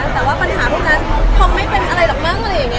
แต่ว่าปัญหาพวกนั้นคงไม่เป็นอะไรหรอกมั้ง